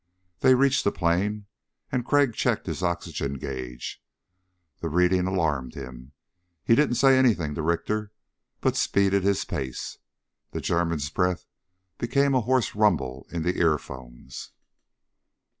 They reached the plain and Crag checked his oxygen gauge. The reading alarmed him. He didn't say anything to Richter but speeded his pace. The German's breath became a hoarse rumble in the earphones.